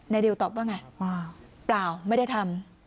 ดิวตอบว่าไงเปล่าไม่ได้ทำ